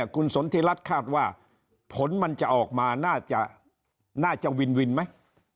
คุณสนธิระภาษีครับว่าผลมันจะออกมาน่าจะวินมั้ย